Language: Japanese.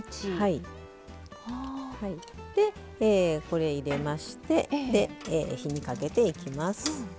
これ入れまして火にかけていきます。